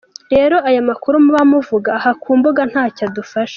rero ayamakuru muba muvuga Aha kumbuga ntacyo adufasha.